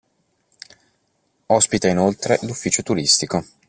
Ospita inoltre l’ufficio turistico.